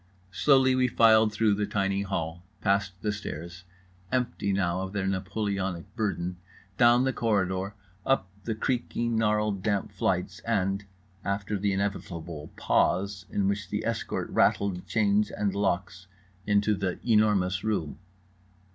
Slowly we filed through the tiny hall, past the stairs (empty now of their Napoleonic burden), down the corridor, up the creaking gnarled damp flights, and (after the inevitable pause in which the escort rattled chains and locks) into The Enormous Room.